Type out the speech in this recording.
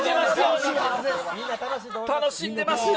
楽しんでますよ。